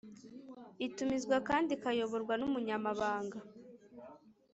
itumizwa kandi ikayoborwa n Umunyamabanga